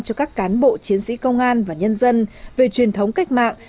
cho các cán bộ chiến sĩ công an và nhân dân về truyền thống cách mạng